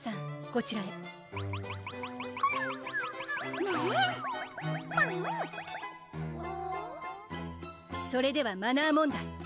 こちらへコメメンパムそれではマナー問題